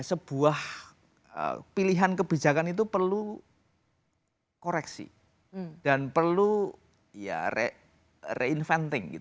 sebuah pilihan kebijakan itu perlu koreksi dan perlu ya reinventing